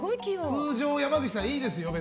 通常の山口さん別にいいですよ。